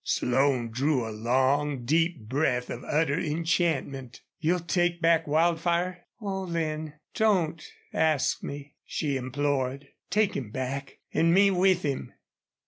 Slone drew a long, deep breath of utter enchantment. "You'll take back Wildfire?" "Oh, Lin don't ask me," she implored. "Take him back an' me with him."